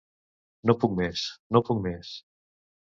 No puc més, no puc més.